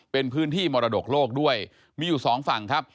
เป็นพื้นที่มรดกโลกด้วยมีอยู่สองฝั่งครับ